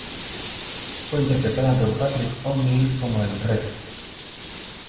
Fue interpretada por Patrick O'Neal como el Rev.